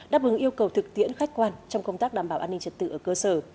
đáp ứng yêu cầu thực tiễn khách quan trong công tác đảm bảo an ninh trật tự ở cơ sở